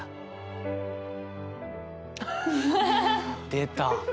出た。